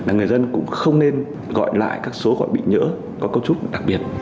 người dân cũng không nên gọi lại các số gọi bị nhỡ có cấu trúc đặc biệt